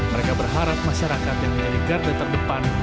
mereka berharap masyarakat yang menjadi garda terdepan